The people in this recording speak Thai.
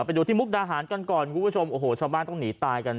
ไปดูที่มุกดาหารกันก่อนคุณผู้ชมโอ้โหชาวบ้านต้องหนีตายกัน